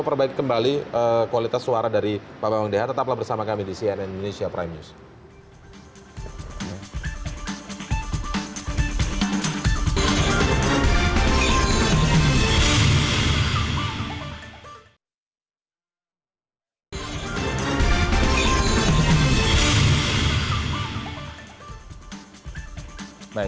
perbaiki kembali kualitas suara dari pak mdh tetaplah bersama kami di cnn indonesia prime